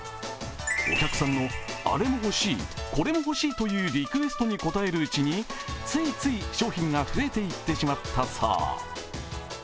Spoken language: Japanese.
お客さんのあれも欲しい、これも欲しいというリクエストに応えるうちについつい商品が増えていってしまったそう。